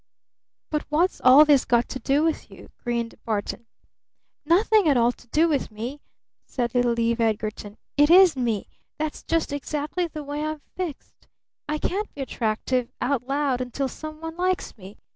"But what's all this got to do with you?" grinned Barton. "Nothing at all to do with me!" said little Eve Edgarton. "It is me! That's just exactly the way I'm fixed. I can't be attractive out loud until some one likes me!